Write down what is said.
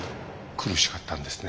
苦しかったんですね